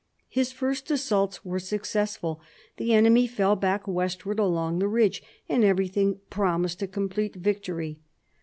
His first assaults were successful ; the enemy fell back westward along the ridge, and everything promised a complete victory.